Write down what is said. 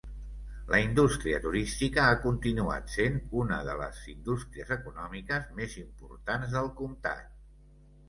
La indústria turística ha continuat sent una de les indústries econòmiques més importants del comtat.